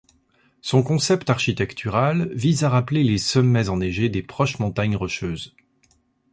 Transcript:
Son concept architectural vise à rappeler les sommets enneigés des proches montagnes Rocheuses.